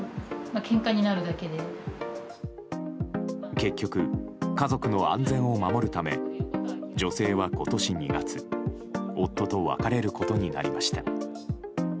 結局、家族の安全を守るため女性は今年２月夫と別れることになりました。